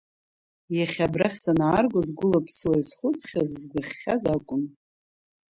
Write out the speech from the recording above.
Иахьа абрахь санааргоз гәыла-ԥсыла исхәыцхьаз, изгәаӷьхьаз акәын.